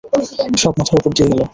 সব মাথার উপর দিয়ে গেল।